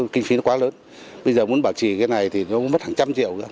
kinh phí quá lớn bây giờ muốn bảo trì cái này thì nó mất hàng trăm triệu